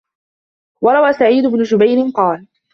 وَرَوَى سَعِيدُ بْنُ جُبَيْرٍ قَالَ